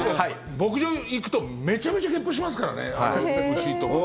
牧場行くとめちゃめちゃげっぷしますからね、牛とか。